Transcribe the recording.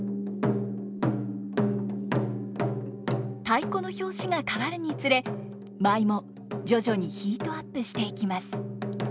太鼓の拍子が変わるにつれ舞も徐々にヒートアップしていきます。